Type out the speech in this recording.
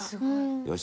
よし！